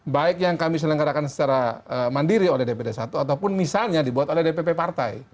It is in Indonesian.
baik yang kami selenggarakan secara mandiri oleh dpd satu ataupun misalnya dibuat oleh dpp partai